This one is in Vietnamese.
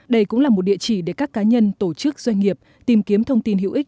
đây cũng là một địa chỉ để các cá nhân tổ chức doanh nghiệp tìm kiếm thông tin hữu ích